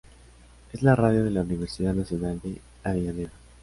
Es la radio de la Universidad Nacional de Avellaneda.